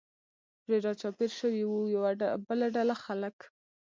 پرې را چاپېر شوي و، یوه بله ډله خلک.